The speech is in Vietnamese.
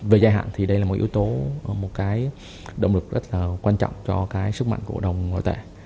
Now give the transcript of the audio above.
về giải hạn thì đây là một yếu tố một cái động lực rất là quan trọng cho cái sức mạnh của đồng ngoại tệ